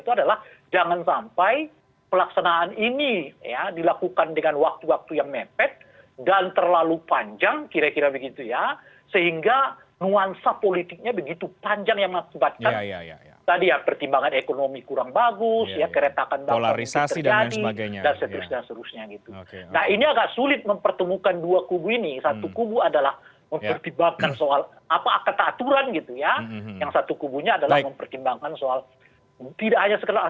tetapi memikirkan efek pelaksanaan pilpres dan pemilu yang serentak ini itu ya